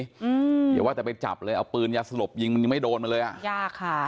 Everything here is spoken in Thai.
อืมอย่าว่าแต่ไปจับเลยเอาปืนยาสลบยิงมันยังไม่โดนมันเลยอ่ะยากค่ะ